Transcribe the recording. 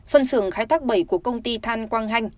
phân xưởng khai thác bảy của công ty than quang hanh